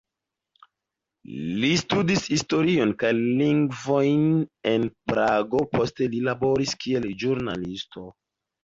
Li studis historion kaj lingvojn en Prago, poste laboris kiel ĵurnalisto.